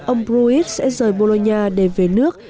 ông pruitt sẽ rời bologna để về nước